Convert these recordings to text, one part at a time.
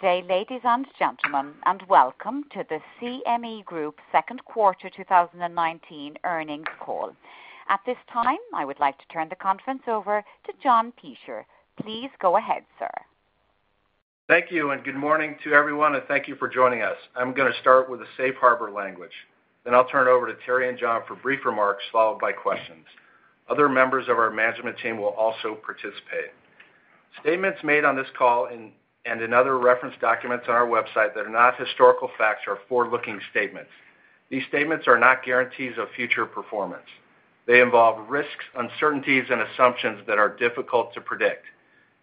Good day, ladies and gentlemen, welcome to the CME Group second quarter 2019 earnings call. At this time, I would like to turn the conference over to John Peschier. Please go ahead, sir. Thank you. Good morning to everyone, and thank you for joining us. I'm going to start with the safe harbor language. I'll turn it over to Terry and John for brief remarks, followed by questions. Other members of our management team will also participate. Statements made on this call and in other referenced documents on our website that are not historical facts are forward-looking statements. These statements are not guarantees of future performance. They involve risks, uncertainties, and assumptions that are difficult to predict.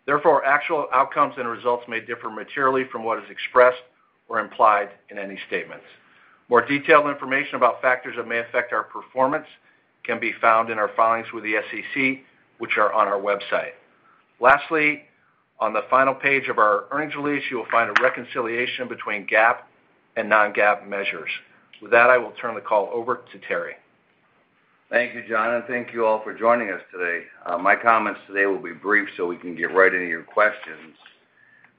Therefore, actual outcomes and results may differ materially from what is expressed or implied in any statements. More detailed information about factors that may affect our performance can be found in our filings with the SEC, which are on our website. Lastly, on the final page of our earnings release, you will find a reconciliation between GAAP and non-GAAP measures. With that, I will turn the call over to Terry. Thank you, John, and thank you all for joining us today. My comments today will be brief so we can get right into your questions.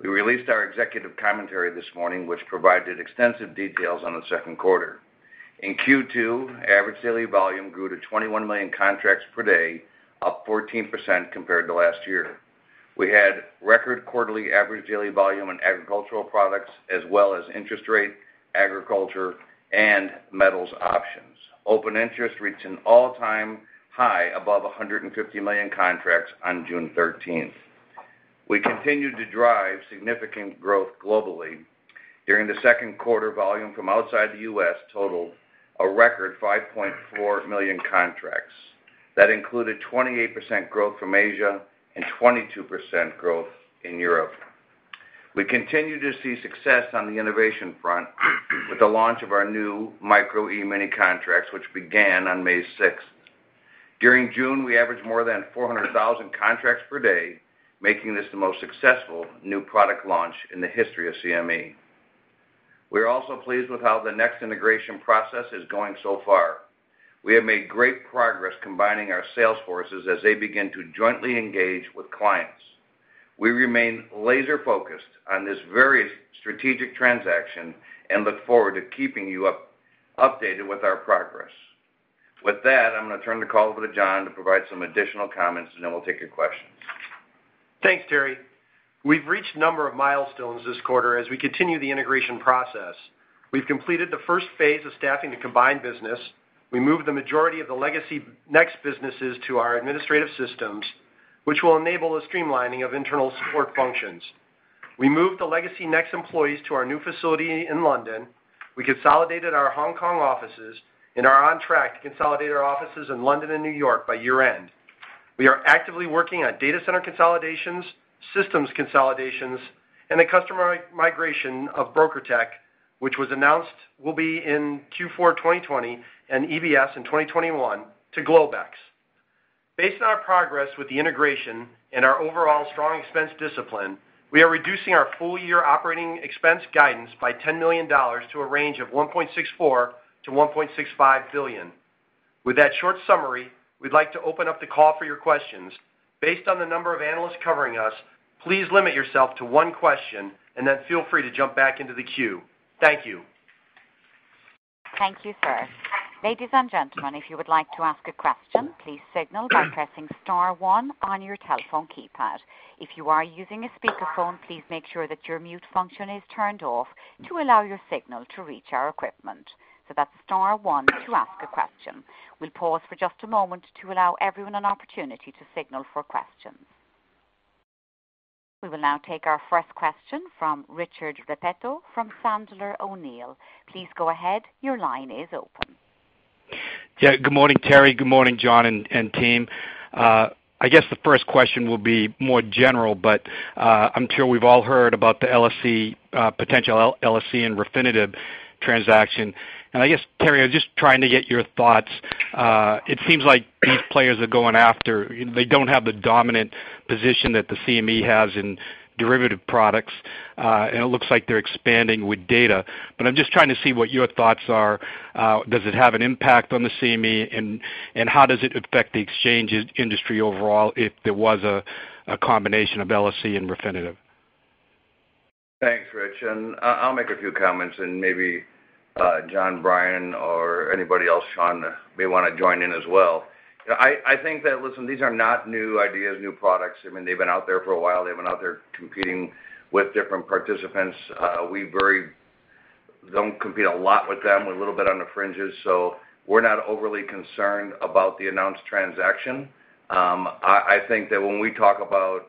We released our executive commentary this morning, which provided extensive details on the second quarter. In Q2, average daily volume grew to 21 million contracts per day, up 14% compared to last year. We had record quarterly average daily volume in agricultural products, as well as interest rate, agriculture, and metals options. Open interest reached an all-time high above 150 million contracts on June 13th. We continued to drive significant growth globally. During the second quarter, volume from outside the U.S. totaled a record 5.4 million contracts. That included 28% growth from Asia and 22% growth in Europe. We continue to see success on the innovation front with the launch of our new Micro E-mini contracts, which began on May 6th. During June, we averaged more than 400,000 contracts per day, making this the most successful new product launch in the history of CME. We're also pleased with how the NEX integration process is going so far. We have made great progress combining our sales forces as they begin to jointly engage with clients. We remain laser-focused on this very strategic transaction and look forward to keeping you updated with our progress. With that, I'm going to turn the call over to John to provide some additional comments, and then we'll take your questions. Thanks, Terry. We've reached a number of milestones this quarter as we continue the integration process. We've completed the first phase of staffing the combined business. We moved the majority of the legacy NEX businesses to our administrative systems, which will enable the streamlining of internal support functions. We moved the legacy NEX employees to our new facility in London. We consolidated our Hong Kong offices and are on track to consolidate our offices in London and New York by year-end. We are actively working on data center consolidations, systems consolidations, and the customer migration of BrokerTec, which was announced will be in Q4 2020 and EBS in 2021 to Globex. Based on our progress with the integration and our overall strong expense discipline, we are reducing our full-year operating expense guidance by $10 million to a range of $1.64 billion-$1.65 billion. With that short summary, we'd like to open up the call for your questions. Based on the number of analysts covering us, please limit yourself to one question, and then feel free to jump back into the queue. Thank you. Thank you, sir. Ladies and gentlemen, if you would like to ask a question, please signal by pressing star one on your telephone keypad. If you are using a speakerphone, please make sure that your mute function is turned off to allow your signal to reach our equipment. That's star one to ask a question. We'll pause for just a moment to allow everyone an opportunity to signal for questions. We will now take our first question from Richard Repetto from Sandler O'Neill. Please go ahead. Your line is open. Good morning, Terry. Good morning, John and team. I guess the first question will be more general, but I'm sure we've all heard about the potential LSE and Refinitiv transaction. I guess, Terry, I was just trying to get your thoughts. It seems like these players are going after. They don't have the dominant position that the CME has in derivative products, and it looks like they're expanding with data. I'm just trying to see what your thoughts are. Does it have an impact on the CME, and how does it affect the exchange industry overall if there was a combination of LSE and Refinitiv? I'll make a few comments and maybe John, Bryan, or anybody else, Sean, may want to join in as well. I think that, listen, these are not new ideas, new products. They've been out there for a while. They've been out there competing with different participants. We don't compete a lot with them. We're a little bit on the fringes, we're not overly concerned about the announced transaction. I think that when we talk about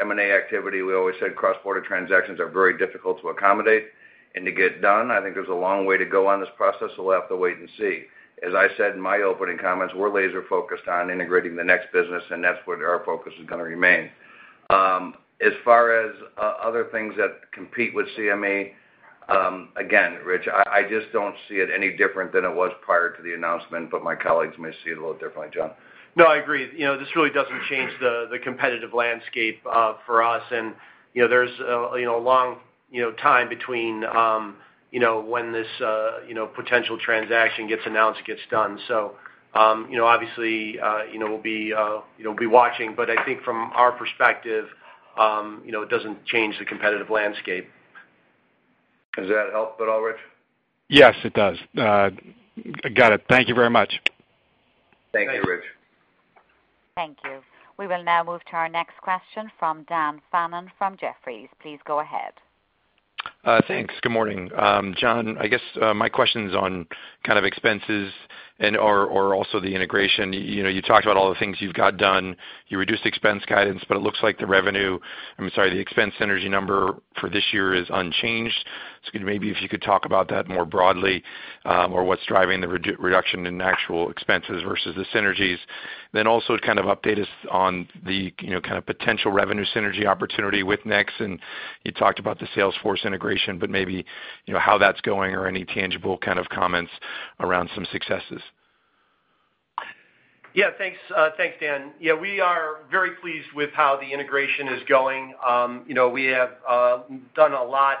M&A activity, we always said cross-border transactions are very difficult to accommodate and to get done. I think there's a long way to go on this process, we'll have to wait and see. As I said in my opening comments, we're laser-focused on integrating the NEX business, that's where our focus is going to remain. As far as other things that compete with CME, again, Rich, I just don't see it any different than it was prior to the announcement, but my colleagues may see it a little differently. John? No, I agree. This really doesn't change the competitive landscape for us, and there's a long time between when this potential transaction gets announced, it gets done. Obviously, we'll be watching, but I think from our perspective, it doesn't change the competitive landscape. Does that help at all, Rich? Yes, it does. Got it. Thank you very much. Thank you, Rich. Thank you. We will now move to our next question from Dan Fannon from Jefferies. Please go ahead. Thanks. Good morning. John, I guess my question's on kind of expenses and/or also the integration. You talked about all the things you've got done. You reduced expense guidance, but it looks like the revenue, I'm sorry, the expense synergy number for this year is unchanged. Maybe if you could talk about that more broadly, or what's driving the reduction in actual expenses versus the synergies. Also kind of update us on the kind of potential revenue synergy opportunity with NEX, and you talked about the sales force integration, but maybe how that's going or any tangible kind of comments around some successes. Yeah, thanks, Dan. We are very pleased with how the integration is going. We have done a lot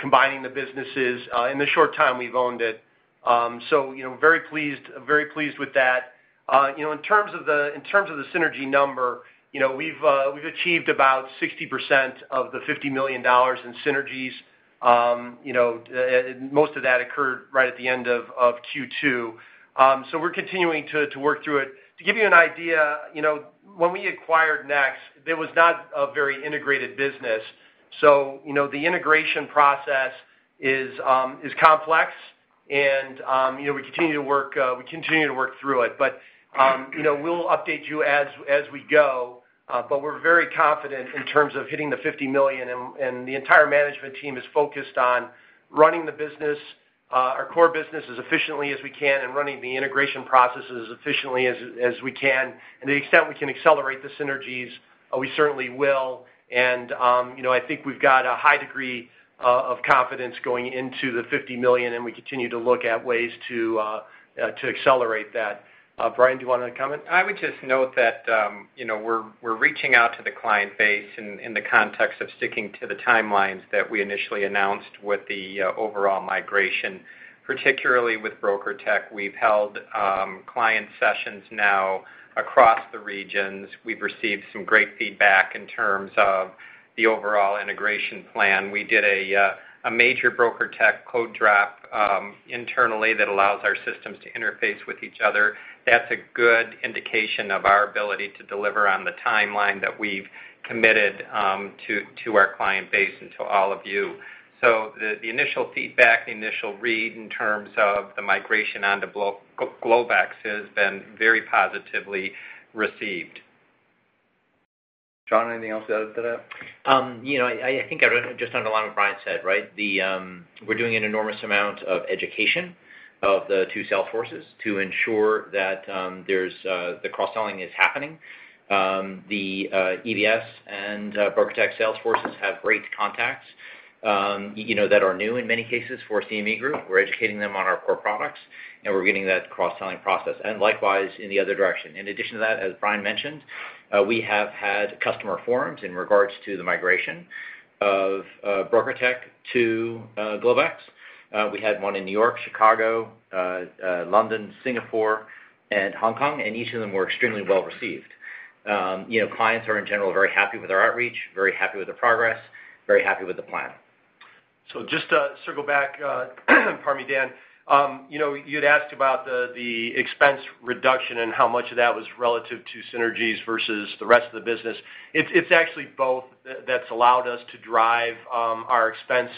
combining the businesses in the short time we've owned it. Very pleased with that. In terms of the synergy number, we've achieved about 60% of the $50 million in synergies. Most of that occurred right at the end of Q2. We're continuing to work through it. To give you an idea, when we acquired NEX, it was not a very integrated business. The integration process is complex and we continue to work through it. We'll update you as we go. We're very confident in terms of hitting the $50 million, and the entire management team is focused on running the business, our core business, as efficiently as we can and running the integration processes as efficiently as we can. To the extent we can accelerate the synergies, we certainly will, and I think we've got a high degree of confidence going into the $50 million, and we continue to look at ways to accelerate that. Bryan, do you want to comment? I would just note that we're reaching out to the client base in the context of sticking to the timelines that we initially announced with the overall migration, particularly with BrokerTec. We've held client sessions now across the regions. We've received some great feedback in terms of the overall integration plan. We did a major BrokerTec code drop internally that allows our systems to interface with each other. That's a good indication of our ability to deliver on the timeline that we've committed to our client base and to all of you. The initial feedback, the initial read in terms of the migration onto Globex has been very positively received. John, anything else to add to that? I think just along what Bryan said, right? We're doing an enormous amount of education of the two sales forces to ensure that the cross-selling is happening. The EBS and BrokerTec sales forces have great contacts that are new in many cases for CME Group. We're educating them on our core products, and we're getting that cross-selling process. Likewise, in the other direction. In addition to that, as Bryan mentioned, we have had customer forums in regards to the migration of BrokerTec to Globex. We had one in New York, Chicago, London, Singapore, and Hong Kong, and each of them were extremely well-received. Clients are in general very happy with our outreach, very happy with the progress, very happy with the plan. Just to circle back, pardon me, Dan. You'd asked about the expense reduction and how much of that was relative to synergies versus the rest of the business. It's actually both that's allowed us to drive our expense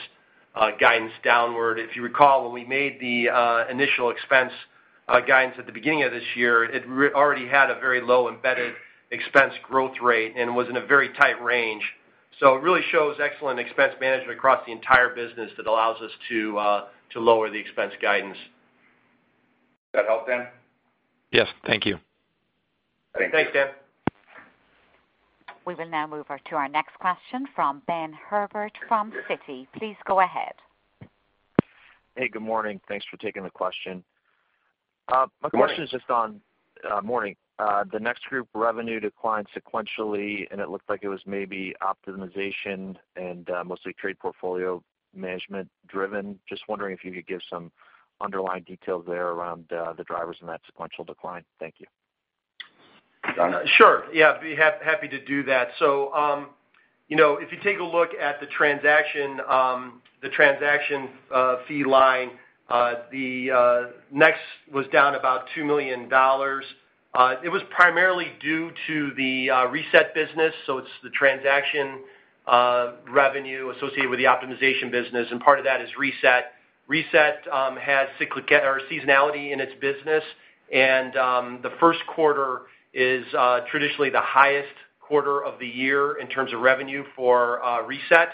guidance downward. If you recall, when we made the initial expense guidance at the beginning of this year, it already had a very low embedded expense growth rate and was in a very tight range. It really shows excellent expense management across the entire business that allows us to lower the expense guidance. That help, Dan? Yes. Thank you. Thanks, Dan. We will now move to our next question from Ben Herbert from Citi. Please go ahead. Hey, good morning. Thanks for taking the question. Morning. Morning. The NEX Group revenue declined sequentially, and it looked like it was maybe optimization and mostly trade portfolio management driven. Just wondering if you could give some underlying details there around the drivers in that sequential decline? Thank you. Sure. Yeah, be happy to do that. If you take a look at the transaction fee line, the NEX was down about $2 million. It was primarily due to the Reset business, so it's the transaction revenue associated with the optimization business, and part of that is Reset. Reset has seasonality in its business, and the first quarter is traditionally the highest quarter of the year in terms of revenue for Reset.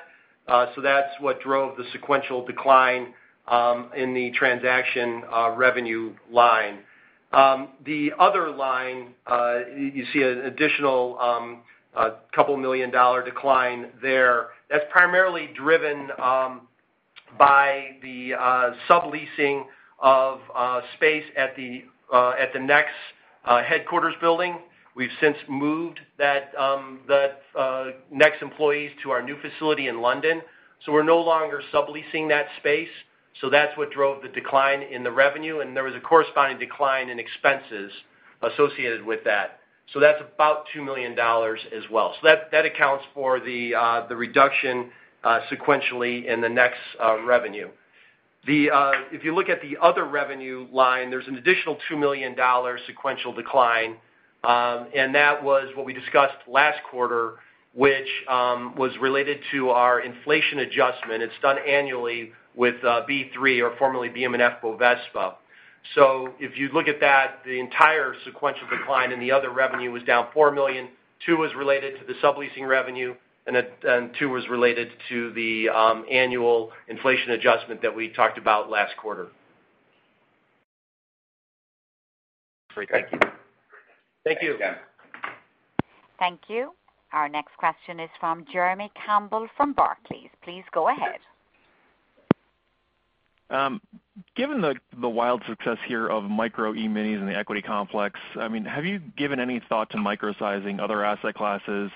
That's what drove the sequential decline in the transaction revenue line. The other line, you see an additional couple million dollar decline there. That's primarily driven by the subleasing of space at the NEX headquarters building. We've since moved the NEX employees to our new facility in London. We're no longer subleasing that space. That's what drove the decline in the revenue, and there was a corresponding decline in expenses associated with that. That's about $2 million as well. That accounts for the reduction sequentially in the NEX revenue. If you look at the other revenue line, there's an additional $2 million sequential decline, and that was what we discussed last quarter, which was related to our inflation adjustment. It's done annually with B3 or formerly BM&FBOVESPA. If you look at that, the entire sequential decline in the other revenue was down $4 million, $2 was related to the subleasing revenue, and $2 was related to the annual inflation adjustment that we talked about last quarter. Great. Thank you. Thank you. Thank you. Our next question is from Jeremy Campbell from Barclays. Please go ahead. Given the wild success here of Micro E-minis in the equity complex, have you given any thought to micro-sizing other asset classes?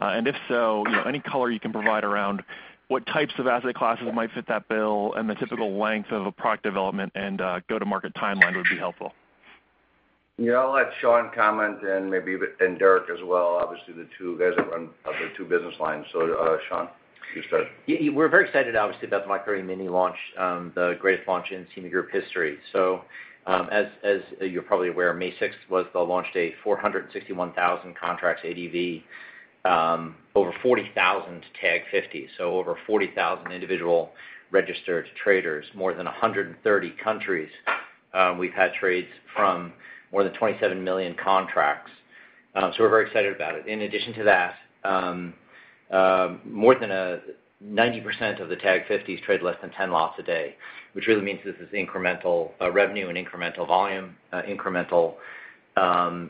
If so, any color you can provide around what types of asset classes might fit that bill and the typical length of a product development and go-to-market timeline would be helpful. Yeah, I'll let Sean comment and Derek as well. Obviously, the two of you guys run the two business lines. Sean, you start. We're very excited, obviously, about the Micro E-mini launch, the greatest launch in CME Group history. As you're probably aware, May 6th was the launch day, 461,000 contracts ADV, over 40,000 Tag 50s, so over 40,000 individual registered traders. More than 130 countries, we've had trades from. More than 27 million contracts. We're very excited about it. In addition to that, more than 90% of the Tag 50s trade less than 10 lots a day, which really means this is incremental revenue and incremental volume, incremental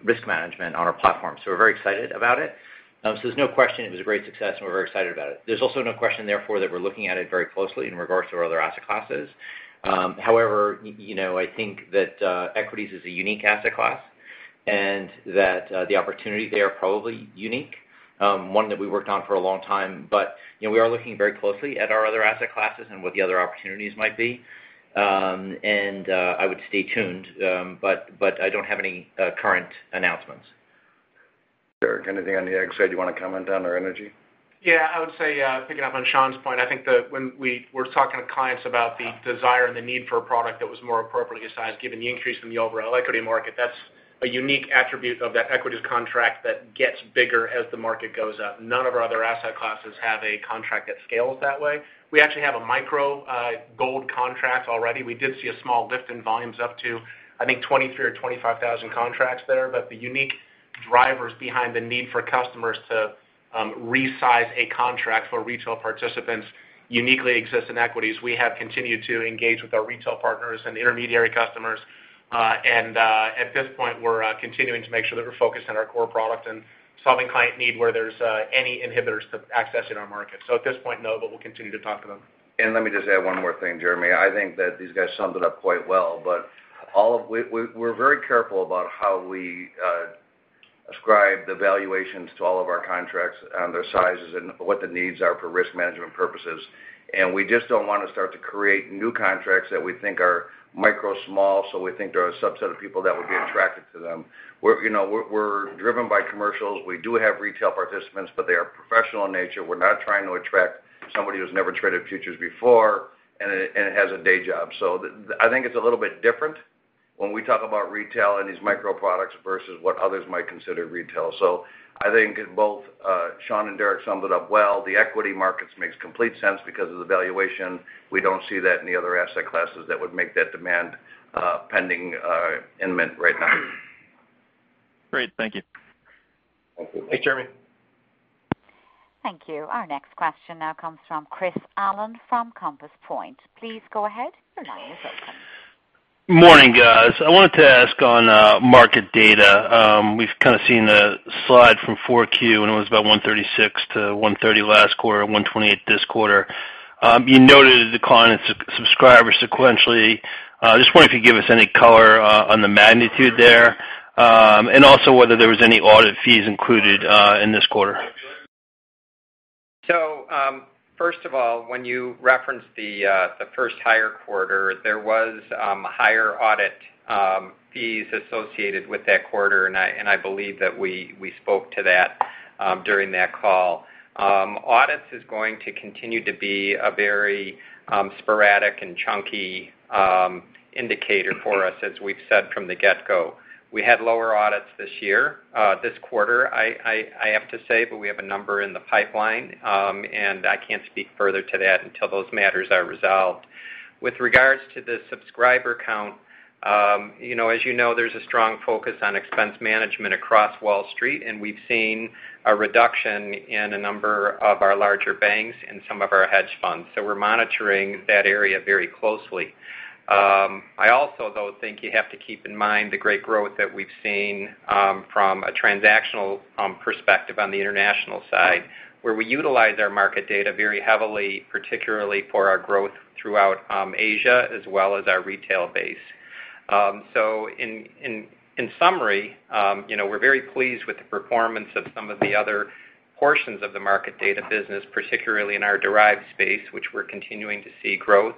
risk management on our platform. We're very excited about it. There's no question it was a great success, and we're very excited about it. There's also no question, therefore, that we're looking at it very closely in regards to our other asset classes. I think that equities is a unique asset class and that the opportunity there are probably unique, one that we worked on for a long time. We are looking very closely at our other asset classes and what the other opportunities might be, and I would stay tuned, but I don't have any current announcements. Derek, anything on the ag side you want to comment on, or energy? Yeah, I would say, picking up on Sean's point, I think that when we were talking to clients about the desire and the need for a product that was more appropriately sized, given the increase in the overall equity market, that's a unique attribute of that equities contract that gets bigger as the market goes up. None of our other asset classes have a contract that scales that way. We actually have a Micro Gold contract already. We did see a small lift in volumes up to, I think, 23,000 or 25,000 contracts there. The unique drivers behind the need for customers to resize a contract for retail participants uniquely exists in equities. We have continued to engage with our retail partners and intermediary customers, and at this point, we're continuing to make sure that we're focused on our core product and solving client need where there's any inhibitors to accessing our market. At this point, no, but we'll continue to talk to them. Let me just add one more thing, Jeremy. I think that these guys summed it up quite well, but we're very careful about how we ascribe the valuations to all of our contracts and their sizes and what the needs are for risk management purposes. We just don't want to start to create new contracts that we think are micro small, so we think there are a subset of people that would be attracted to them. We're driven by commercials. We do have retail participants, but they are professional in nature. We're not trying to attract somebody who's never traded futures before and has a day job. I think it's a little bit different when we talk about retail and these micro products versus what others might consider retail. I think both Sean and Derek summed it up well. The equity markets makes complete sense because of the valuation. We don't see that in the other asset classes that would make that demand pending imminent right now. Great. Thank you. Thank you. Thanks, Jeremy. Thank you. Our next question now comes from Chris Allen from Compass Point. Please go ahead. Your line is open. Morning, guys. I wanted to ask on market data. We've kind of seen the slide from 4Q, and it was about $136 to $130 last quarter, $128 this quarter. You noted a decline in subscribers sequentially. I just wonder if you give us any color on the magnitude there, and also whether there was any audit fees included in this quarter. First of all, when you referenced the first higher quarter, there was higher audit fees associated with that quarter, and I believe that we spoke to that during that call. Audits is going to continue to be a very sporadic and chunky indicator for us, as we've said from the get-go. We had lower audits this quarter, I have to say, but we have a number in the pipeline, and I can't speak further to that until those matters are resolved. With regards to the subscriber count, as you know, there's a strong focus on expense management across Wall Street, and we've seen a reduction in a number of our larger banks and some of our hedge funds. We're monitoring that area very closely. I also, though, think you have to keep in mind the great growth that we've seen from a transactional perspective on the international side, where we utilize our market data very heavily, particularly for our growth throughout Asia as well as our retail base. In summary, we're very pleased with the performance of some of the other portions of the market data business, particularly in our derived space, which we're continuing to see growth.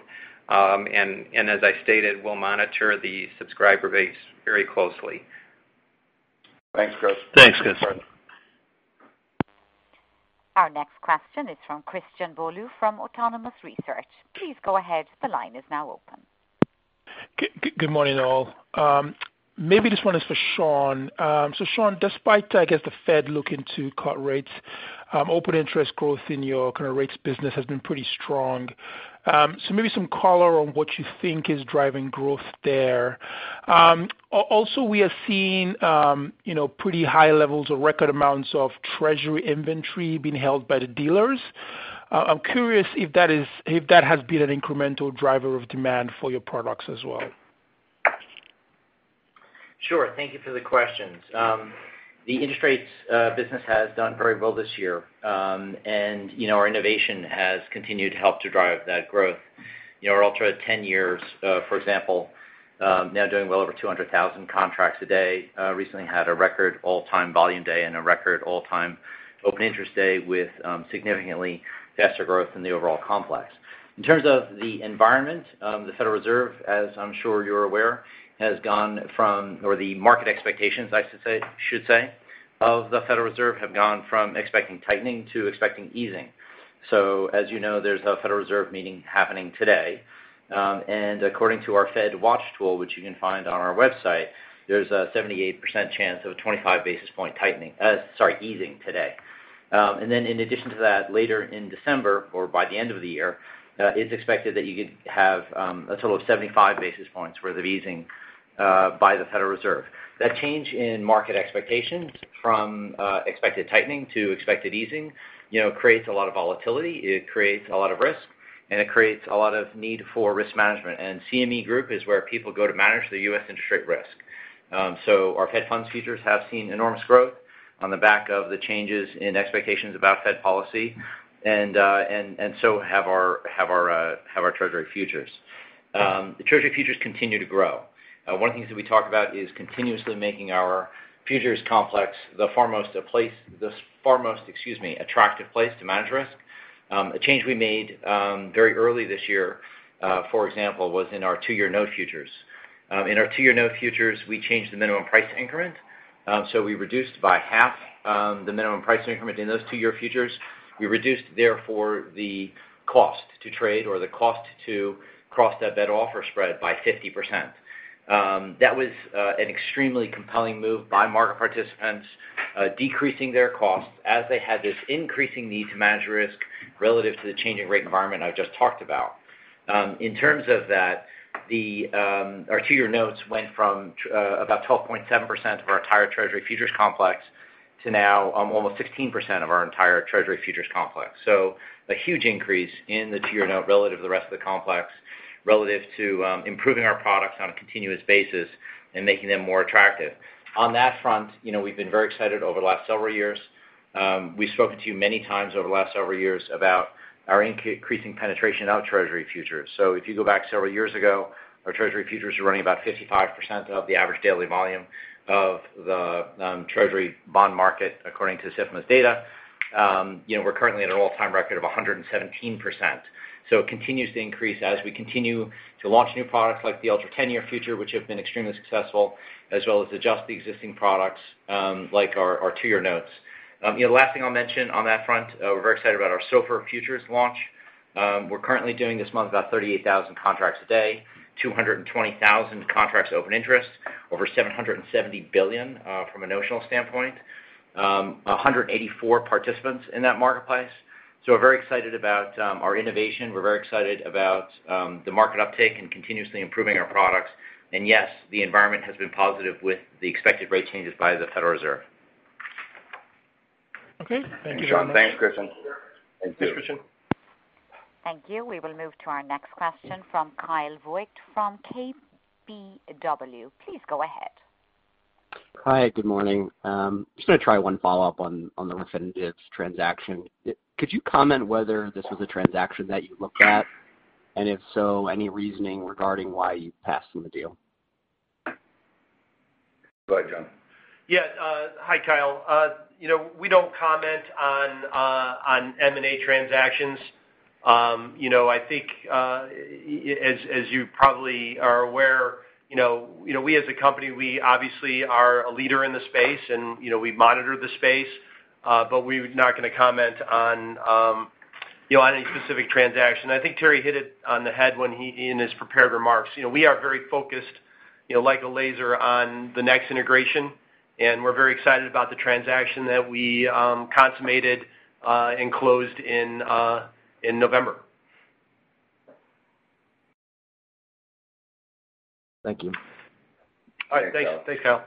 As I stated, we'll monitor the subscriber base very closely. Thanks, Chris. Thanks, Chris. Our next question is from Christian Bolu from Autonomous Research. Please go ahead. The line is now open. Good morning, all. Maybe this one is for Sean. Sean, despite, I guess, the Fed looking to cut rates, open interest growth in your kind of rates business has been pretty strong. Maybe some color on what you think is driving growth there. Also, we have seen pretty high levels or record amounts of Treasury inventory being held by the dealers. I'm curious if that has been an incremental driver of demand for your products as well. Sure. Thank you for the questions. The interest rates business has done very well this year. Our innovation has continued to help to drive that growth. Our Ultra 10-Year, for example, now doing well over 200,000 contracts a day, recently had a record all-time volume day and a record all-time open interest day with significantly faster growth than the overall complex. In terms of the environment, the Federal Reserve, as I'm sure you're aware, or the market expectations, I should say, of the Federal Reserve have gone from expecting tightening to expecting easing. As you know, there's a Federal Reserve meeting happening today. According to our FedWatch tool, which you can find on our website, there's a 78% chance of a 25-basis point easing today. In addition to that, later in December or by the end of the year, it's expected that you could have a total of 75 basis points worth of easing by the Federal Reserve. That change in market expectations from expected tightening to expected easing creates a lot of volatility, it creates a lot of risk, and it creates a lot of need for risk management. CME Group is where people go to manage the U.S. interest rate risk. Our Fed Funds futures have seen enormous growth on the back of the changes in expectations about Fed policy, and so have our Treasury futures. The Treasury futures continue to grow. One of the things that we talk about is continuously making our futures complex the far most attractive place to manage risk. A change we made very early this year, for example, was in our two-year note futures. In our two-year note futures, we changed the minimum price increment, so we reduced by half the minimum price increment in those two-year futures. We reduced therefore the cost to trade or the cost to cross that bid-offer spread by 50%. That was an extremely compelling move by market participants, decreasing their costs as they had this increasing need to manage risk relative to the changing rate environment I just talked about. In terms of that, our two-year notes went from about 12.7% of our entire Treasury futures complex to now almost 16% of our entire Treasury futures complex. A huge increase in the two-year note relative to the rest of the complex, relative to improving our products on a continuous basis and making them more attractive. On that front, we've been very excited over the last several years. We've spoken to you many times over the last several years about our increasing penetration of Treasury futures. If you go back several years ago, our Treasury futures were running about 55% of the average daily volume of the Treasury bond market, according to SIFMA's data. We're currently at an all-time record of 117%. It continues to increase as we continue to launch new products like the Ultra 10-Year future, which have been extremely successful, as well as adjust the existing products like our 2-year notes. The last thing I'll mention on that front, we're very excited about our SOFR futures launch. We're currently doing this month about 38,000 contracts a day, 220,000 contracts open interest, over $770 billion from a notional standpoint, 184 participants in that marketplace. We're very excited about our innovation. We're very excited about the market uptake and continuously improving our products. Yes, the environment has been positive with the expected rate changes by the Federal Reserve. Okay. Thank you so much. Thanks, Christian. Thank you. Thank you. We will move to our next question from Kyle Voigt from KBW. Please go ahead. Hi. Good morning. Just going to try one follow-up on the Refinitiv transaction. Could you comment whether this was a transaction that you looked at, and if so, any reasoning regarding why you passed on the deal? Go ahead, John. Yeah. Hi, Kyle. We don't comment on M&A transactions. I think, as you probably are aware, we as a company, we obviously are a leader in the space and we monitor the space, but we're not going to comment on any specific transaction. I think Terry hit it on the head when he, in his prepared remarks. We are very focused like a laser on the next integration, and we're very excited about the transaction that we consummated and closed in November. Thank you. All right. Thanks, Kyle.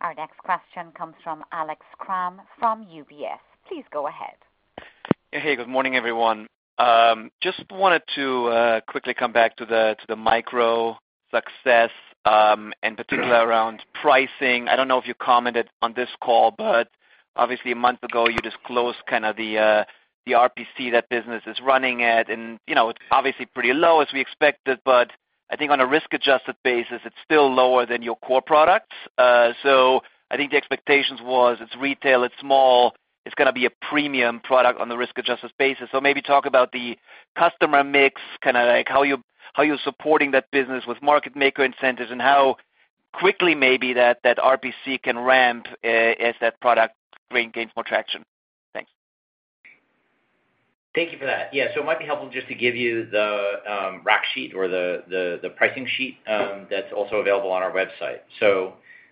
Our next question comes from Alex Kramm from UBS. Please go ahead. Hey. Good morning, everyone. Just wanted to quickly come back to the Micro success, in particular around pricing. I don't know if you commented on this call, obviously a month ago, you disclosed kind of the RPC that business is running at, it's obviously pretty low as we expected, I think on a risk-adjusted basis, it's still lower than your core products. I think the expectations was it's retail, it's small, it's going to be a premium product on the risk-adjusted basis. Maybe talk about the customer mix, how you're supporting that business with market maker incentives, how quickly maybe that RPC can ramp as that product gains more traction. Thanks. Thank you for that. Yeah. It might be helpful just to give you the rack sheet or the pricing sheet that's also available on our website.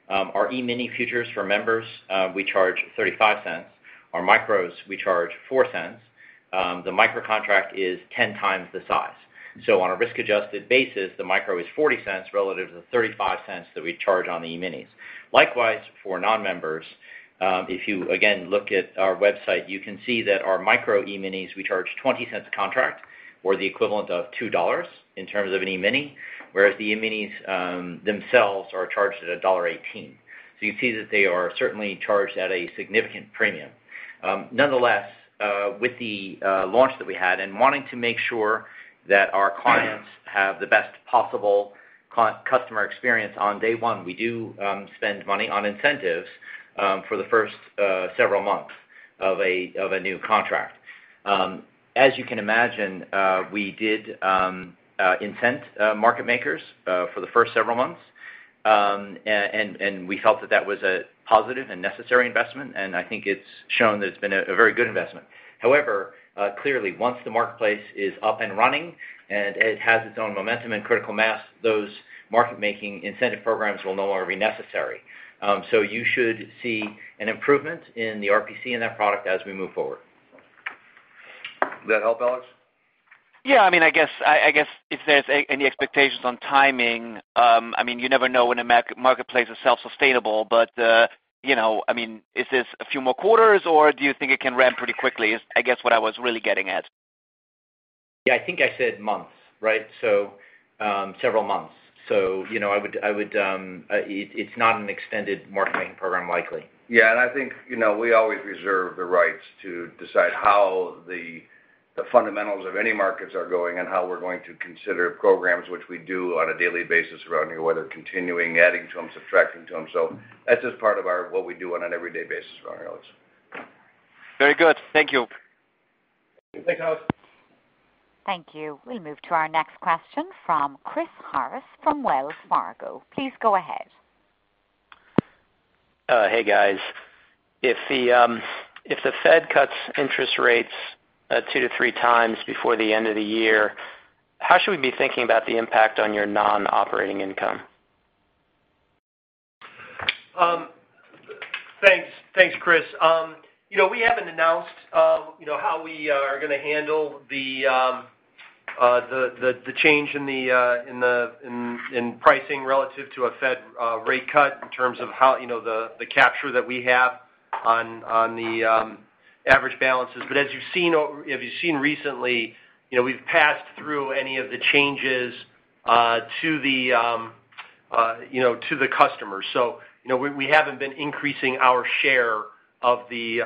Our E-mini futures for members, we charge $0.35. Our micros, we charge $0.04. The micro contract is 10 times the size. On a risk-adjusted basis, the micro is $0.40 relative to the $0.35 that we charge on the E-minis. Likewise, for non-members, if you, again, look at our website, you can see that our Micro E-minis, we charge $0.20 a contract, or the equivalent of $2 in terms of an E-mini, whereas the E-minis themselves are charged at $1.18. You see that they are certainly charged at a significant premium. Nonetheless, with the launch that we had and wanting to make sure that our clients have the best possible customer experience on day one, we do spend money on incentives for the first several months of a new contract. As you can imagine, we did incent market makers for the first several months, and we felt that that was a positive and necessary investment, and I think it's shown that it's been a very good investment. Clearly, once the marketplace is up and running and it has its own momentum and critical mass, those market-making incentive programs will no longer be necessary. You should see an improvement in the RPC in that product as we move forward. Does that help, Alex? I guess if there's any expectations on timing, you never know when a marketplace is self-sustainable, but is this a few more quarters, or do you think it can ramp pretty quickly? Is I guess what I was really getting at. Yeah, I think I said months, right? Several months. It's not an extended marketing program likely. Yeah, I think we always reserve the rights to decide how the fundamentals of any markets are going and how we're going to consider programs, which we do on a daily basis around here, whether continuing, adding to them, subtracting to them. That's just part of what we do on an everyday basis around here, Alex. Very good. Thank you. Thanks, Alex. Thank you. We move to our next question from Chris Harris from Wells Fargo. Please go ahead. Hey, guys. If the Fed cuts interest rates two to three times before the end of the year, how should we be thinking about the impact on your non-operating income? Thanks, Chris. We haven't announced how we are going to handle the change in pricing relative to a Fed rate cut in terms of the capture that we have on the average balances. As you've seen recently, we've passed through any of the changes to the customers. We haven't been increasing our share of the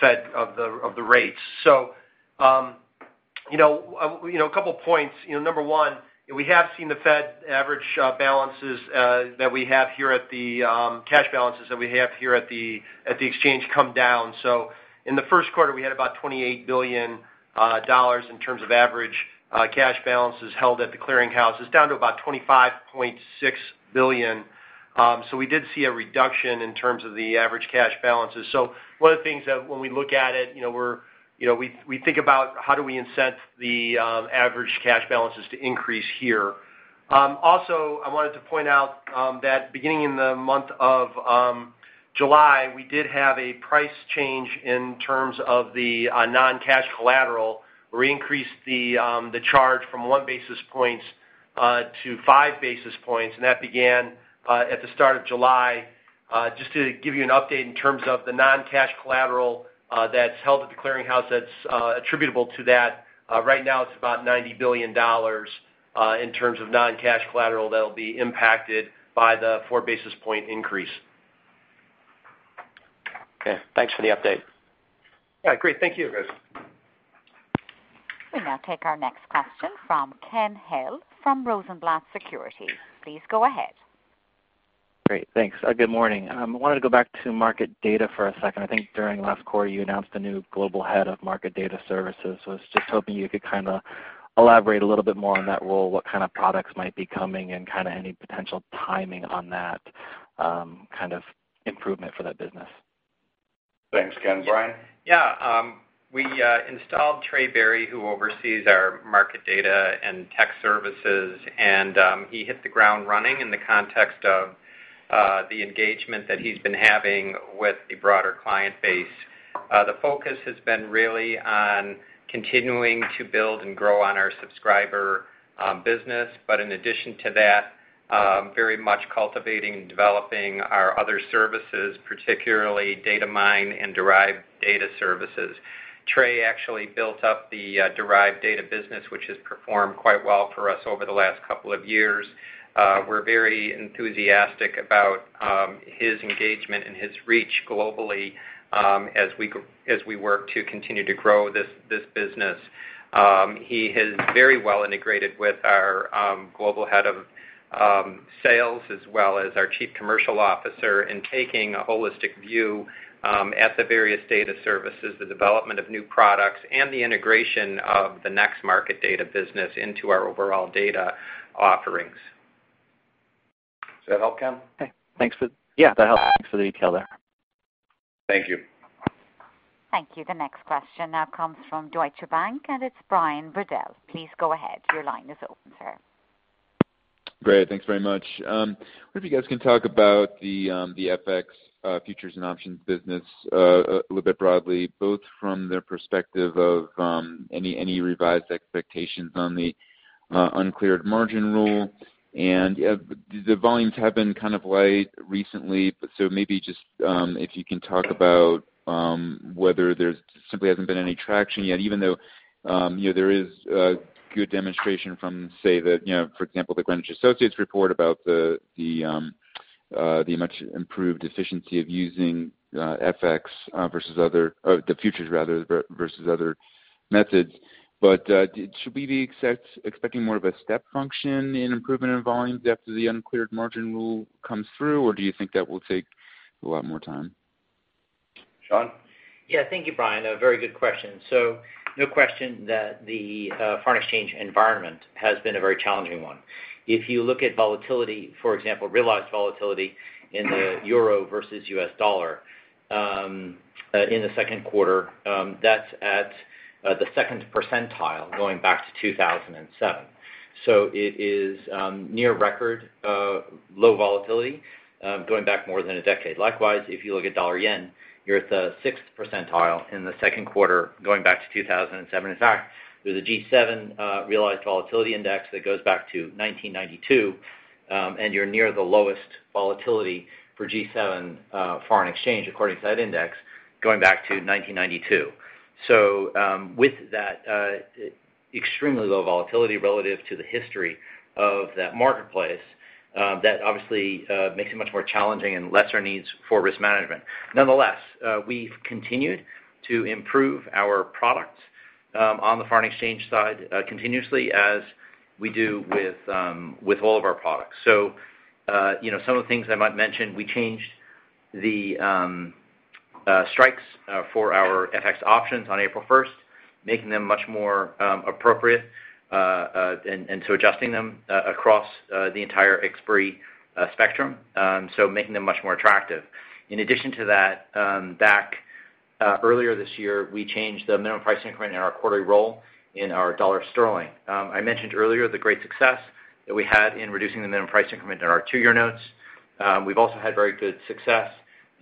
Fed, of the rates. A couple of points. Number one, we have seen the cash balances that we have here at the exchange come down. In the first quarter, we had about $28 billion in terms of average cash balances held at the clearing houses, down to about $25.6 billion. We did see a reduction in terms of the average cash balances. One of the things that when we look at it, we think about how do we incent the average cash balances to increase here. Also, I wanted to point out that beginning in the month of July, we did have a price change in terms of the non-cash collateral. We increased the charge from one basis points to five basis points, and that began at the start of July. Just to give you an update in terms of the non-cash collateral that's held at the clearinghouse that's attributable to that, right now it's about $90 billion in terms of non-cash collateral that'll be impacted by the four basis point increase. Okay, thanks for the update. Yeah, great. Thank you, Chris. We'll now take our next question from Ken Hill from Rosenblatt Securities. Please go ahead. Great. Thanks. Good morning. I wanted to go back to market data for a second. I think during last quarter, you announced a new global head of market data services. I was just hoping you could elaborate a little bit more on that role, what kind of products might be coming, and any potential timing on that improvement for that business. Thanks, Ken. Bryan? We installed Trey Berre, who oversees our market data and Data Services, and he hit the ground running in the context of the engagement that he's been having with the broader client base. The focus has been really on continuing to build and grow on our subscriber business, but in addition to that, very much cultivating and developing our other services, particularly DataMine and Derived Data services. Trey actually built up the Derived Data business, which has performed quite well for us over the last couple of years. We're very enthusiastic about his engagement and his reach globally as we work to continue to grow this business. He has very well integrated with our global head of sales as well as our chief commercial officer in taking a holistic view at the various data services, the development of new products, and the integration of the NEX market data business into our overall data offerings. Does that help, Ken? Hey, yeah, that helps. Thanks for the detail there. Thank you. Thank you. The next question now comes from Deutsche Bank, and it's Brian Bedell. Please go ahead. Your line is open, sir. Great. Thanks very much. I wonder if you guys can talk about the FX futures and options business a little bit broadly, both from the perspective of any revised expectations on the uncleared margin rule. The volumes have been kind of light recently, but so maybe just if you can talk about whether there's simply hasn't been any traction yet, even though there is a good demonstration from, say, for example, the Greenwich Associates report about the much improved efficiency of using FX versus other, the futures rather, versus other methods. Should we be expecting more of a step function in improvement in volumes after the uncleared margin rule comes through, or do you think that will take a lot more time? Sean? Thank you, Brian. A very good question. No question that the foreign exchange environment has been a very challenging one. If you look at volatility, for example, realized volatility in the Euro versus U.S. dollar, in the second quarter, that's at the second percentile going back to 2007. It is near record low volatility, going back more than a decade. Likewise, if you look at dollar/yen, you're at the sixth percentile in the second quarter, going back to 2007. In fact, there's a G7 realized volatility index that goes back to 1992, and you're near the lowest volatility for G7 foreign exchange according to that index, going back to 1992. With that extremely low volatility relative to the history of that marketplace, that obviously makes it much more challenging and lesser needs for risk management. Nonetheless, we've continued to improve our products on the foreign exchange side continuously as we do with all of our products. Some of the things I might mention, we changed the strikes for our FX options on April 1st, making them much more appropriate, and so adjusting them across the entire expiry spectrum, so making them much more attractive. In addition to that, back earlier this year, we changed the minimum price increment in our quarterly roll in our dollar/Sterling. I mentioned earlier the great success that we had in reducing the minimum price increment in our two-year notes. We've also had very good success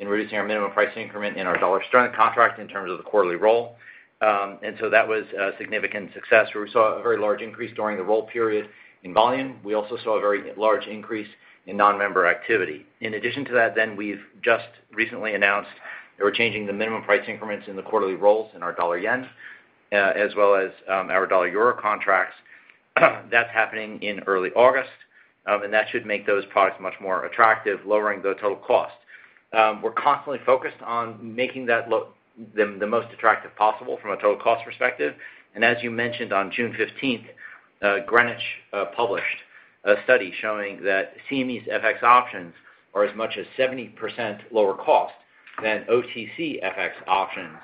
in reducing our minimum price increment in our dollar/Sterling contract in terms of the quarterly roll. That was a significant success where we saw a very large increase during the roll period in volume. We also saw a very large increase in non-member activity. We've just recently announced that we're changing the minimum price increments in the quarterly rolls in our dollar/yen, as well as our dollar/euro contracts. That's happening in early August, and that should make those products much more attractive, lowering the total cost. We're constantly focused on making that look the most attractive possible from a total cost perspective. As you mentioned, on June 15th, Greenwich published a study showing that CME's FX options are as much as 70% lower cost than OTC FX options,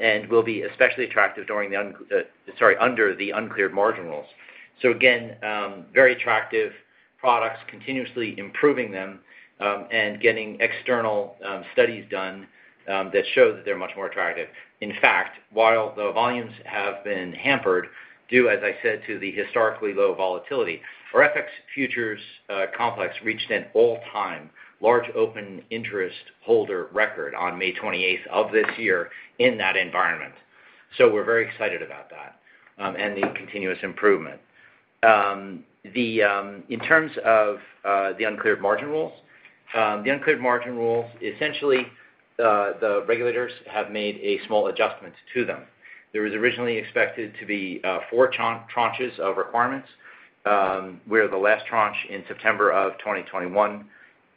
and will be especially attractive under the uncleared margin rules. Again, very attractive products, continuously improving them, and getting external studies done that show that they're much more attractive. In fact, while the volumes have been hampered due, as I said, to the historically low volatility, our FX futures complex reached an all-time large open interest holder record on May 28th of this year in that environment. We're very excited about that, and the continuous improvement. In terms of the uncleared margin rules, essentially, the regulators have made a small adjustment to them. There was originally expected to be four tranches of requirements, where the last tranche in September of 2021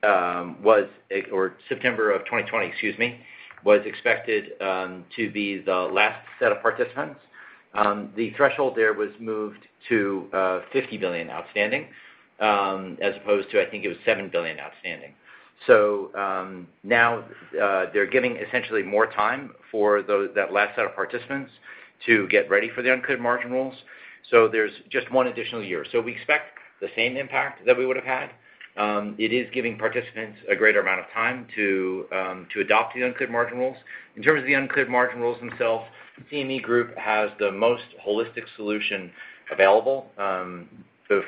or September of 2020, excuse me, was expected to be the last set of participants. The threshold there was moved to $50 billion outstanding, as opposed to, I think it was seven billion outstanding. Now they're giving essentially more time for that last set of participants to get ready for the uncleared margin rules. There's just one additional year. We expect the same impact that we would have had. It is giving participants a greater amount of time to adopt the uncleared margin rules. In terms of the uncleared margin rules themselves, CME Group has the most holistic solution available.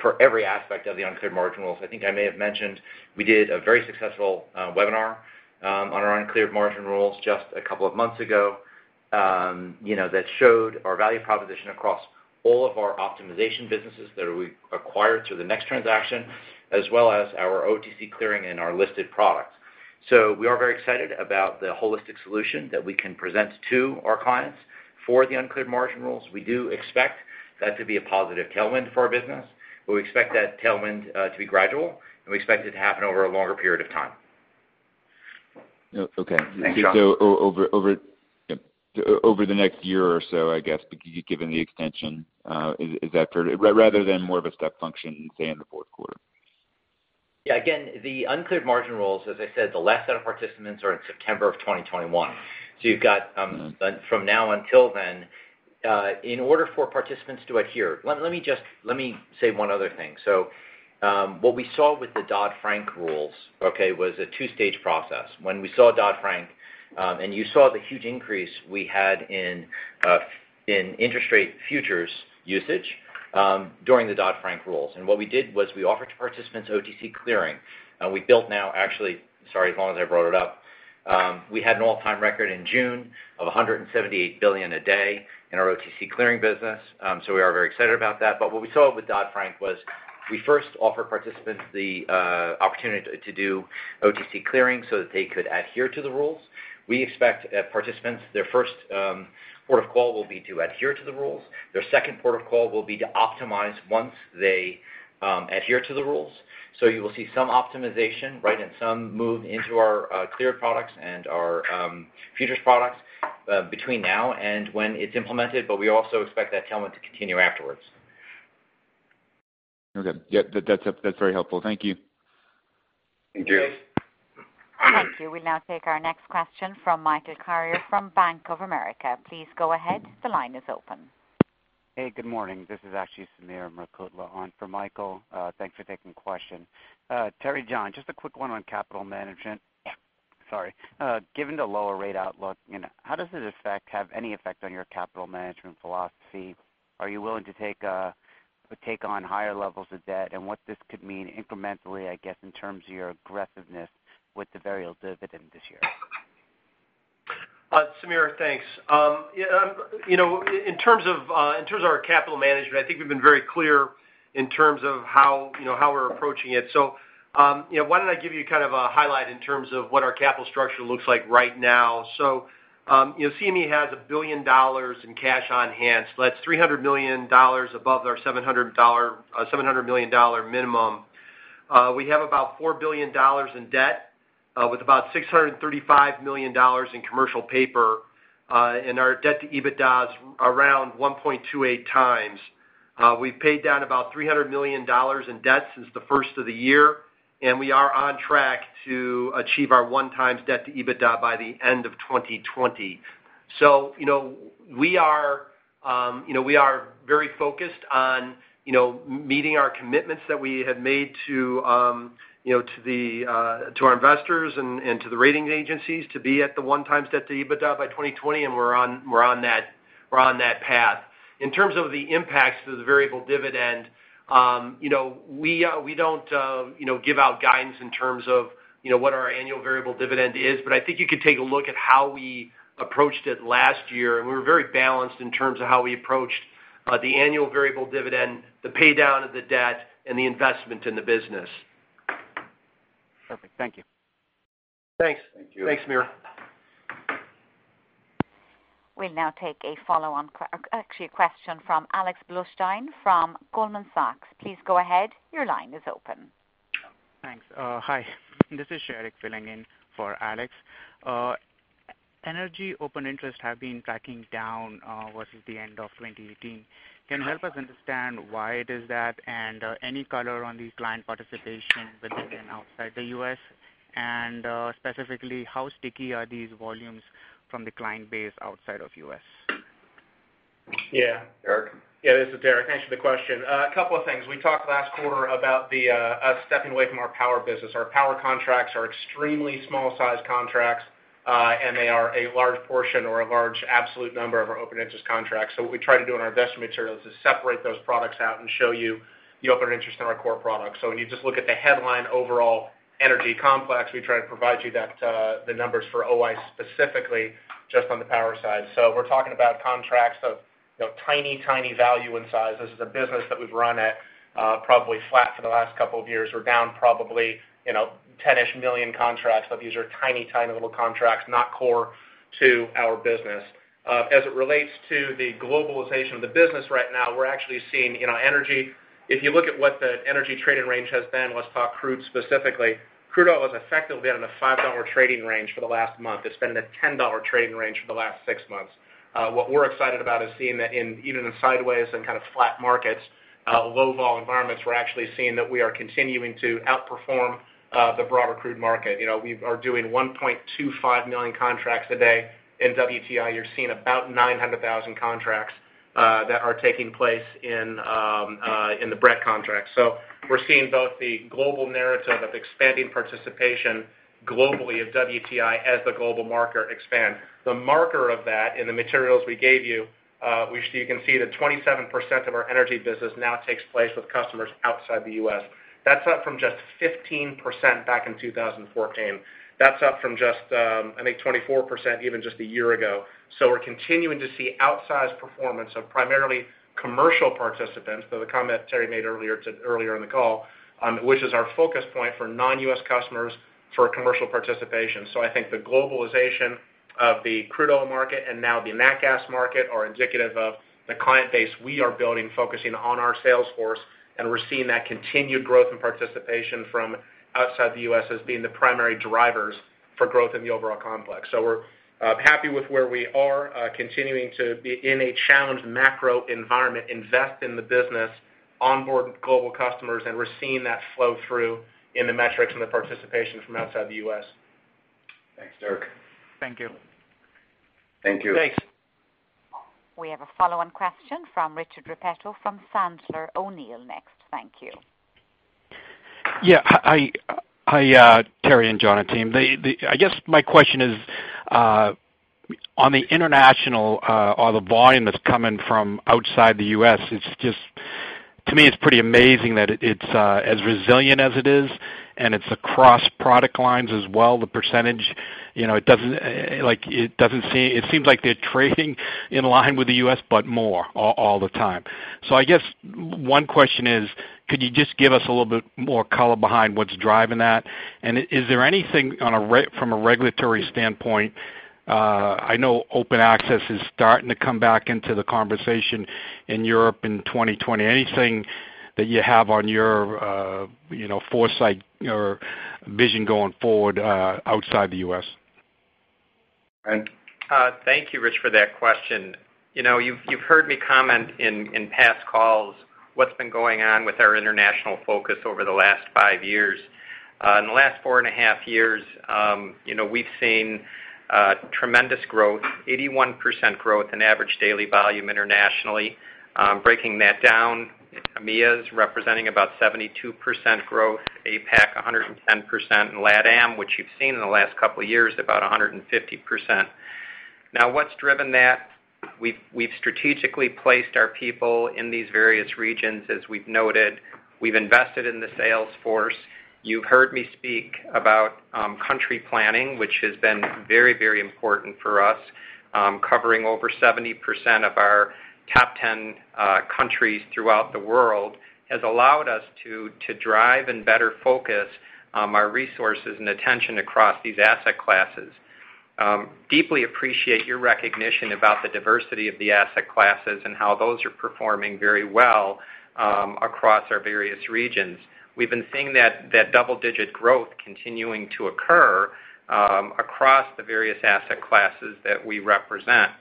For every aspect of the uncleared margin rules, I think I may have mentioned we did a very successful webinar on our uncleared margin rules just a couple of months ago, that showed our value proposition across all of our optimization businesses that we acquired through the NEX transaction, as well as our OTC clearing and our listed products. We are very excited about the holistic solution that we can present to our clients for the uncleared margin rules. We do expect that to be a positive tailwind for our business, but we expect that tailwind to be gradual, and we expect it to happen over a longer period of time. Okay. Thanks, John. Over the next year or so, I guess, given the extension, is that fair, rather than more of a step function, say, in the fourth quarter? Yeah. Again, the uncleared margin rules, as I said, the last set of participants are in September of 2021. You have got, from now until then, in order for participants to adhere. Let me say one other thing. What we saw with the Dodd-Frank rules, okay, was a 2-stage process. When we saw Dodd-Frank, and you saw the huge increase we had in interest rate futures usage during the Dodd-Frank rules. What we did was we offered to participants OTC clearing. We built now, actually, sorry, as long as I brought it up, we had an all-time record in June of $178 billion a day in our OTC clearing business, so we are very excited about that. What we saw with Dodd-Frank was we first offered participants the opportunity to do OTC clearing so that they could adhere to the rules. We expect participants, their first port of call will be to adhere to the rules. Their second port of call will be to optimize once they adhere to the rules. You will see some optimization, right, and some move into our cleared products and our futures products between now and when it's implemented, but we also expect that tailwind to continue afterwards. Okay. Yeah, that's very helpful. Thank you. Thank you. Thank you. We'll now take our next question from Michael Carrier from Bank of America. Please go ahead. The line is open. Hey, Good morning. This is actually Sameer Murukutla on for Michael. Thanks for taking the question. Terry, John, just a quick one on capital management. Sorry. Given the lower rate outlook, how does it have any effect on your capital management philosophy? Are you willing to take on higher levels of debt and what this could mean incrementally, I guess, in terms of your aggressiveness with the variable dividend this year? Sameer, thanks. In terms of our capital management, I think we've been very clear in terms of how we're approaching it. Why don't I give you a highlight in terms of what our capital structure looks like right now. CME has $1 billion in cash on hand, so that's $300 million above our $700 million minimum. We have about $4 billion in debt, with about $635 million in commercial paper, and our debt to EBITDA's around 1.28 times. We've paid down about $300 million in debt since the first of the year, and we are on track to achieve our 1 times debt to EBITDA by the end of 2020. We are very focused on meeting our commitments that we have made to our investors and to the rating agencies to be at the 1 times debt to EBITDA by 2020, and we're on that path. In terms of the impacts to the variable dividend, we don't give out guidance in terms of what our annual variable dividend is, but I think you could take a look at how we approached it last year, and we were very balanced in terms of how we approached the annual variable dividend, the pay-down of the debt, and the investment in the business. Perfect. Thank you. Thanks. Thank you. Thanks, Sameer. We'll now take actually a question from Alex Blostein from Goldman Sachs. Please go ahead. Your line is open. Thanks. Hi. This is Sharik filling in for Alex. Energy open interest have been tracking down versus the end of 2018. Can you help us understand why it is that, and any color on the client participation within and outside the U.S.? Specifically, how sticky are these volumes from the client base outside of U.S.? Yeah. Derek? Yeah, this is Derek. Thanks for the question. A couple of things. We talked last quarter about us stepping away from our power business. Our power contracts are extremely small sized contracts, and they are a large portion or a large absolute number of our open interest contracts. What we try to do in our investment materials is separate those products out and show you the open interest in our core products. When you just look at the headline overall energy complex, we try to provide you the numbers for OI specifically just on the power side. We're talking about contracts of tiny value and size. This is a business that we've run at probably flat for the last couple of years. We're down probably 10 million contracts, but these are tiny little contracts, not core to our business. As it relates to the globalization of the business right now, we're actually seeing energy, if you look at what the energy trading range has been, let's talk crude specifically. Crude oil has effectively been in a $5 trading range for the last month. It's been in a $10 trading range for the last six months. What we're excited about is seeing that even in sideways and kind of flat markets, low vol environments, we're actually seeing that we are continuing to outperform the broader crude market. We are doing 1.25 million contracts a day in WTI. You're seeing about 900,000 contracts that are taking place in the Brent contract. We're seeing both the global narrative of expanding participation globally of WTI as the global marker expand. You can see that 27% of our energy business now takes place with customers outside the U.S. That's up from just 15% back in 2014. That's up from just, I think, 24% even just a year ago. We're continuing to see outsized performance of primarily commercial participants, per the comment Terry made earlier in the call, which is our focus point for non-U.S. customers for commercial participation. I think the globalization of the crude oil market and now the nat gas market are indicative of the client base we are building, focusing on our sales force, and we're seeing that continued growth and participation from outside the U.S. as being the primary drivers for growth in the overall complex. We're happy with where we are, continuing to, in a challenged macro environment, invest in the business, onboard global customers, and we're seeing that flow through in the metrics and the participation from outside the U.S. Thanks, Durk. Thank you. Thank you. Thanks. We have a follow-on question from Richard Repetto from Sandler O'Neill next. Thank you. Hi, Terry and John and team. I guess my question is, on the international, or the volume that's coming from outside the U.S., to me, it's pretty amazing that it's as resilient as it is, and it's across product lines as well, the percentage. It seems like they're trading in line with the U.S., but more all the time. I guess one question is, could you just give us a little bit more color behind what's driving that? Is there anything from a regulatory standpoint, I know open access is starting to come back into the conversation in Europe in 2020. Anything that you have on your foresight or vision going forward, outside the U.S.? Brent? Thank you, Rich, for that question. You've heard me comment in past calls what's been going on with our international focus over the last five years. In the last four and a half years, we've seen tremendous growth, 81% growth in average daily volume internationally. Breaking that down, EMEA's representing about 72% growth, APAC 110%, and LATAM, which you've seen in the last couple of years, about 150%. Now, what's driven that? We've strategically placed our people in these various regions as we've noted. We've invested in the sales force. You've heard me speak about country planning, which has been very important for us. Covering over 70% of our top 10 countries throughout the world has allowed us to drive and better focus our resources and attention across these asset classes. Deeply appreciate your recognition about the diversity of the asset classes and how those are performing very well across our various regions. We've been seeing that double-digit growth continuing to occur across the various asset classes that we represent.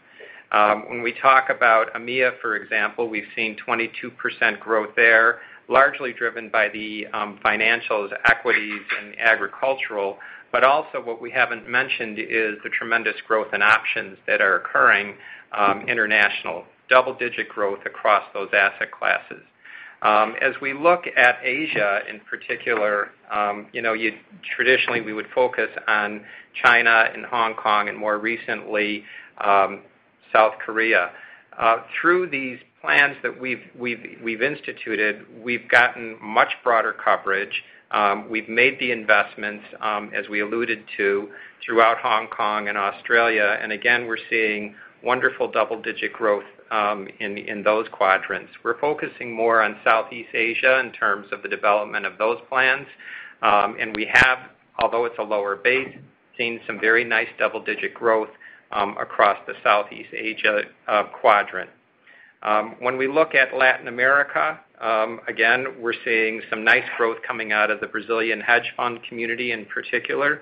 When we talk about EMEA, for example, we've seen 22% growth there, largely driven by the financials, equities, and agricultural, but also what we haven't mentioned is the tremendous growth in options that are occurring international. Double-digit growth across those asset classes. As we look at Asia in particular, traditionally we would focus on China and Hong Kong and more recently, South Korea. Through these plans that we've instituted, we've gotten much broader coverage. We've made the investments, as we alluded to, throughout Hong Kong and Australia, and again, we're seeing wonderful double-digit growth in those quadrants. We're focusing more on Southeast Asia in terms of the development of those plans. We have, although it's a lower base, seen some very nice double-digit growth across the Southeast Asia quadrant. When we look at Latin America, again, we're seeing some nice growth coming out of the Brazilian hedge fund community in particular.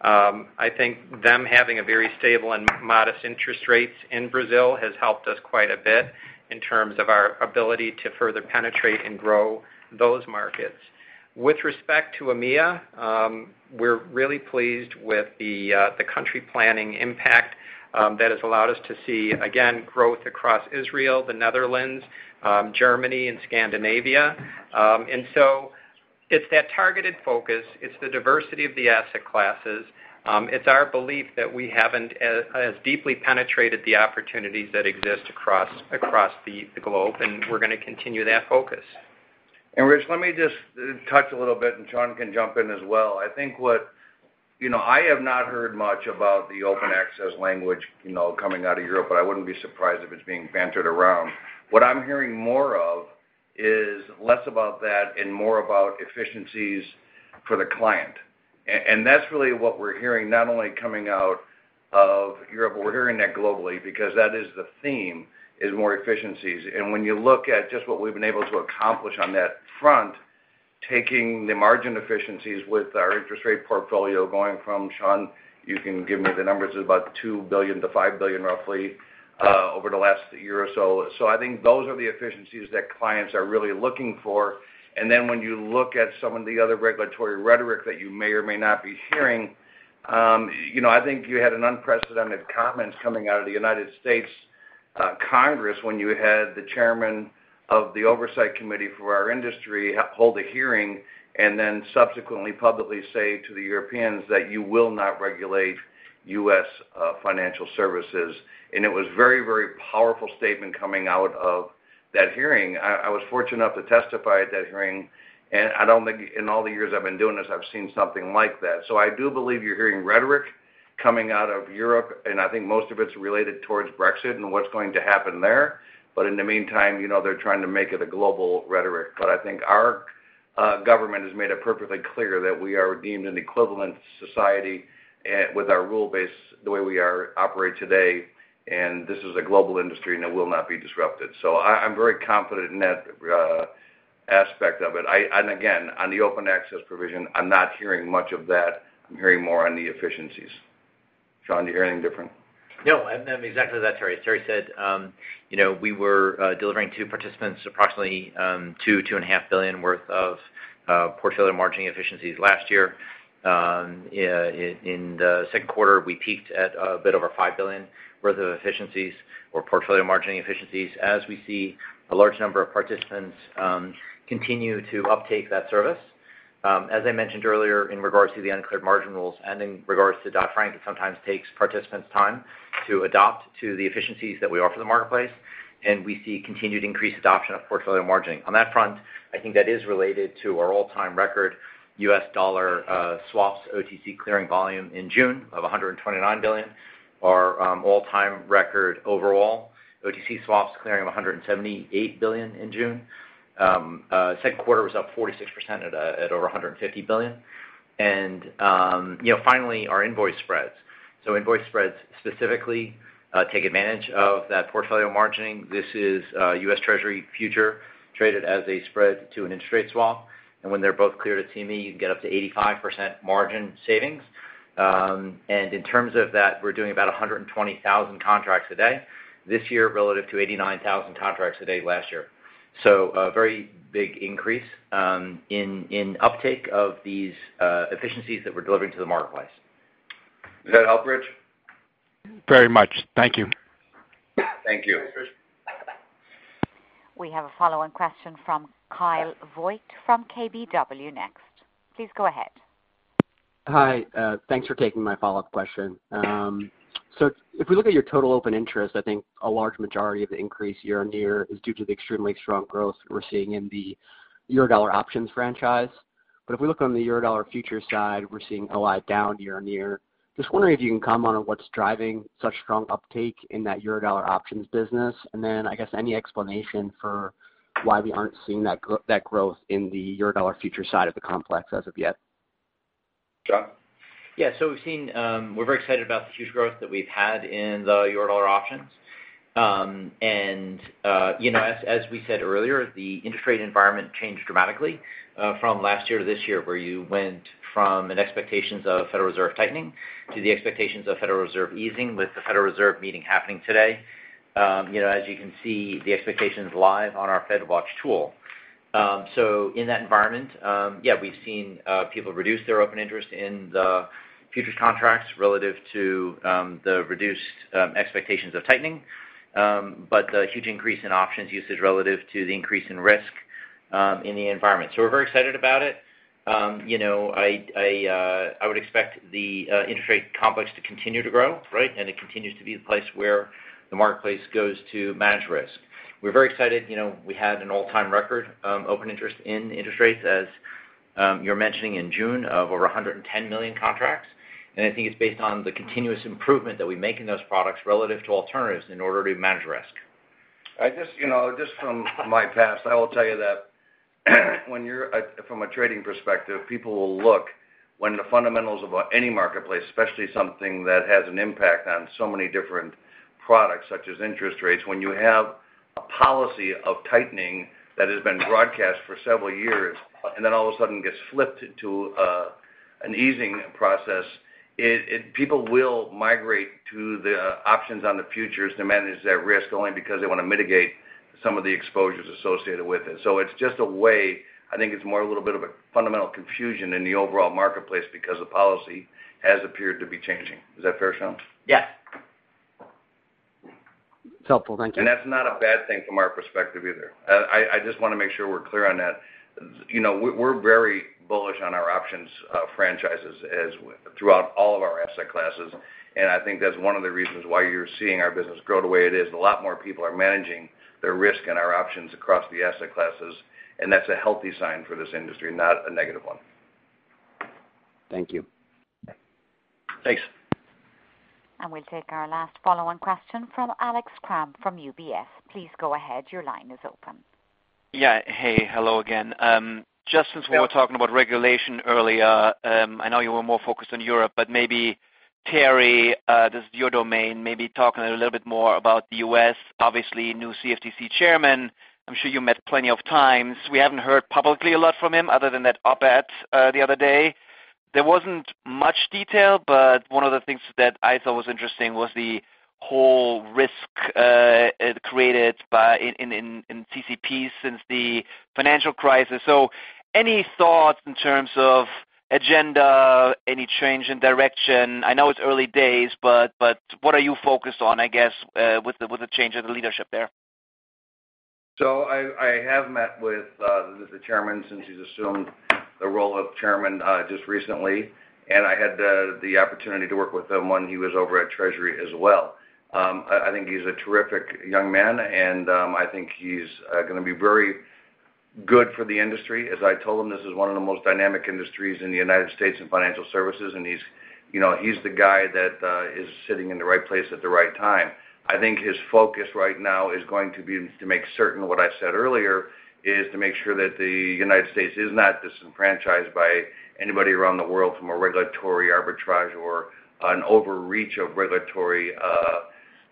I think them having a very stable and modest interest rates in Brazil has helped us quite a bit in terms of our ability to further penetrate and grow those markets. With respect to EMEA, we're really pleased with the country planning impact that has allowed us to see, again, growth across Israel, the Netherlands, Germany, and Scandinavia. It's that targeted focus, it's the diversity of the asset classes. It's our belief that we haven't as deeply penetrated the opportunities that exist across the globe, and we're going to continue that focus. Rich, let me just touch a little bit, John can jump in as well. I have not heard much about the open access language coming out of Europe, but I wouldn't be surprised if it's being bantered around. What I'm hearing more of is less about that and more about efficiencies for the client. That's really what we're hearing, not only coming out of Europe, but we're hearing that globally because that is the theme, is more efficiencies. When you look at just what we've been able to accomplish on that front, taking the margin efficiencies with our interest rate portfolio going from, John, you can give me the numbers, about $2 billion to $5 billion roughly. Yeah over the last year or so. I think those are the efficiencies that clients are really looking for. When you look at some of the other regulatory rhetoric that you may or may not be hearing, I think you had an unprecedented comment coming out of the U.S. Congress when you had the chairman of the oversight committee for our industry hold a hearing and then subsequently publicly say to the Europeans that you will not regulate U.S. Financial Services, and it was very, very powerful statement coming out of that hearing. I was fortunate enough to testify at that hearing, and I don't think in all the years I've been doing this, I've seen something like that. I do believe you're hearing rhetoric coming out of Europe, and I think most of it's related towards Brexit and what's going to happen there. In the meantime, they're trying to make it a global rhetoric. I think our government has made it perfectly clear that we are deemed an equivalent society with our rule base the way we operate today, and this is a global industry, and it will not be disrupted. I'm very confident in that aspect of it. Again, on the open access provision, I'm not hearing much of that. I'm hearing more on the efficiencies. John, do you hear anything different? No, I'm exactly that, Terry. As Terry said, we were delivering to participants approximately two and a half billion worth of portfolio margining efficiencies last year. In the second quarter, we peaked at a bit over five billion worth of efficiencies or portfolio margining efficiencies as we see a large number of participants continue to uptake that service. As I mentioned earlier, in regards to the uncleared margin rules and in regards to Dodd-Frank, it sometimes takes participants time to adopt to the efficiencies that we offer the marketplace, and we see continued increased adoption of portfolio margining. On that front, I think that is related to our all-time record U.S. dollar swaps OTC clearing volume in June of $129 billion. Our all-time record overall OTC swaps clearing of $178 billion in June. Second quarter was up 46% at over $150 billion. Finally, our invoice spreads. Invoice spreads specifically take advantage of that portfolio margining. This is a U.S. Treasury future traded as a spread to an interest rate swap. When they're both cleared at CME, you can get up to 85% margin savings. In terms of that, we're doing about 120,000 contracts a day this year relative to 89,000 contracts a day last year. A very big increase in uptake of these efficiencies that we're delivering to the marketplace. Does that help, Rich? Very much. Thank you. Thank you. Thanks, Rich. Bye for now. We have a follow-on question from Kyle Voigt from KBW next. Please go ahead. Hi. Thanks for taking my follow-up question. Yeah. If we look at your total open interest, I think a large majority of the increase year-on-year is due to the extremely strong growth we're seeing in the Eurodollar options franchise. If we look on the Eurodollar futures side, we're seeing OI down year-on-year. Just wondering if you can comment on what's driving such strong uptake in that Eurodollar options business, and then I guess any explanation for why we aren't seeing that growth in the Eurodollar futures side of the complex as of yet? John? Yeah. We're very excited about the huge growth that we've had in the Eurodollar options. As we said earlier, the interest rate environment changed dramatically from last year to this year, where you went from an expectations of Federal Reserve tightening to the expectations of Federal Reserve easing with the Federal Reserve meeting happening today. As you can see, the expectation's live on our FedWatch tool. In that environment, yeah, we've seen people reduce their open interest in the futures contracts relative to the reduced expectations of tightening, but a huge increase in options usage relative to the increase in risk in the environment. We're very excited about it. I would expect the interest rate complex to continue to grow, right? It continues to be the place where the marketplace goes to manage risk. We're very excited. We had an all-time record open interest in interest rates, as you're mentioning in June, of over 110 million contracts. I think it's based on the continuous improvement that we make in those products relative to alternatives in order to manage risk. Just from my past, I will tell you that from a trading perspective, people will look when the fundamentals of any marketplace, especially something that has an impact on so many different products, such as interest rates, when you have a policy of tightening that has been broadcast for several years and then all of a sudden gets flipped to an easing process, people will migrate to the options on the futures to manage that risk only because they want to mitigate some of the exposures associated with it. It's just a way, I think it's more a little bit of a fundamental confusion in the overall marketplace because the policy has appeared to be changing. Is that fair, John? Yeah. It's helpful. Thank you. That's not a bad thing from our perspective either. I just want to make sure we're clear on that. We're very bullish on our options franchises throughout all of our asset classes, and I think that's one of the reasons why you're seeing our business grow the way it is. A lot more people are managing their risk and our options across the asset classes. That's a healthy sign for this industry, not a negative one. Thank you. Thanks. We'll take our last follow-on question from Alex Kramm from UBS. Please go ahead. Your line is open. Hey. Hello again. Just since we were talking about regulation earlier, I know you were more focused on Europe, but maybe Terry, this is your domain, maybe talk a little bit more about the U.S., obviously new CFTC Chairman. I'm sure you met plenty of times. We haven't heard publicly a lot from him other than that op-ed the other day. There wasn't much detail, but one of the things that I thought was interesting was the whole risk created in CCP since the financial crisis. Any thoughts in terms of agenda, any change in direction? I know it's early days, but what are you focused on, I guess, with the change of the leadership there? I have met with the Chairman since he's assumed the role of Chairman just recently, and I had the opportunity to work with him when he was over at Treasury as well. I think he's a terrific young man, and I think he's going to be very good for the industry. As I told him, this is one of the most dynamic industries in the United States, in financial services, and he's the guy that is sitting in the right place at the right time. I think his focus right now is going to be, to make certain what I said earlier, to make sure that the United States is not disenfranchised by anybody around the world from a regulatory arbitrage or an overreach of regulatory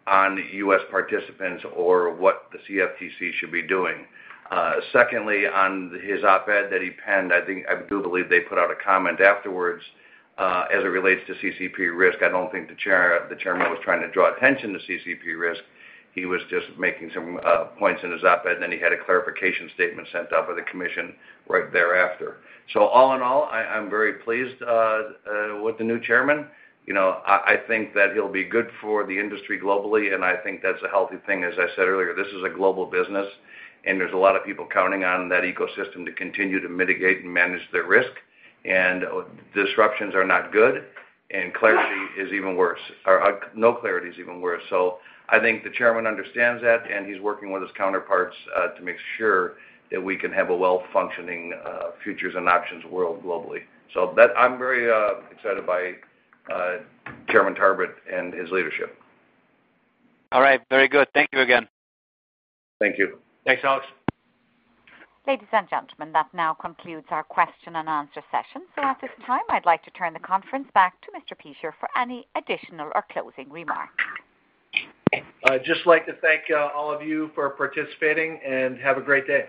on U.S. participants or what the CFTC should be doing. Secondly, on his op-ed that he penned, I do believe they put out a comment afterwards, as it relates to CCP risk. I don't think the Chairman was trying to draw attention to CCP risk. He was just making some points in his op-ed, and then he had a clarification statement sent out by the Commission right thereafter. All in all, I'm very pleased with the new Chairman. I think that he'll be good for the industry globally, and I think that's a healthy thing. As I said earlier, this is a global business, and there's a lot of people counting on that ecosystem to continue to mitigate and manage their risk, and disruptions are not good, and no clarity is even worse. I think the chairman understands that, and he's working with his counterparts to make sure that we can have a well-functioning futures and options world globally. I'm very excited by Chairman Tarbert and his leadership. All right. Very good. Thank you again. Thank you. Thanks, Alex. Ladies and gentlemen, that now concludes our question and answer session. At this time, I'd like to turn the conference back to Mr. Peschier for any additional or closing remarks. I'd just like to thank all of you for participating, and have a great day.